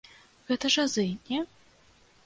Гэта ж азы, не?